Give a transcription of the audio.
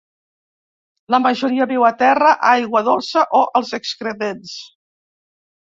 La majoria viu a terra, aigua dolça o als excrements.